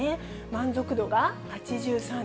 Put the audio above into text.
満足度が８３．６％。